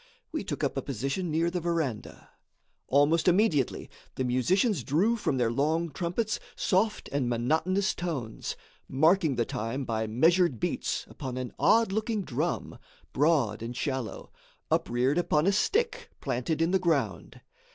We took up a position near the verandah. Almost immediately, the musicians drew from their long trumpets soft and monotonous tones, marking the time by measured beats upon an odd looking drum, broad and shallow, upreared upon a stick planted in the ground.